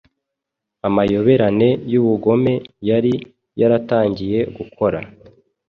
amayoberane y’ubugome” yari yaratangiye gukora.